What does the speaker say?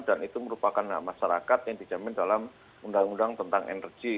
dan itu merupakan masyarakat yang dijamin dalam undang undang tentang energi